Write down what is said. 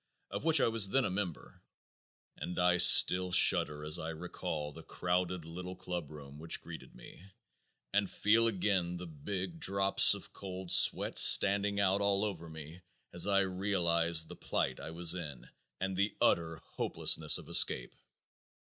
of which I was then a member, and I still shudder as I recall the crowded little club room which greeted me, and feel again the big drops of cold sweat standing out all over me as I realized the plight I was in and the utter hopelessness of escape.